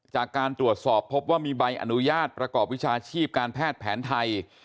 จากการตรวจสอบพบว่ามีใบอนุญาตประกอบวิชาชีพการแพทย์แผนไทย